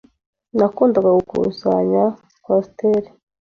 Nakundaga gukusanya coaster.